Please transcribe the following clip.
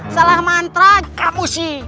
salah mantra kamu sih